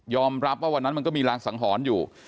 รับว่าวันนั้นมันก็มีรางสังหรณ์อยู่